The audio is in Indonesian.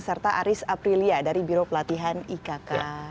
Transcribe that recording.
serta aris aprilia dari biro pelatihan ikk